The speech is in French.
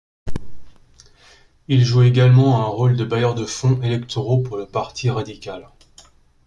Il joue également un rôle de bailleur de fonds électoraux pour le parti radical.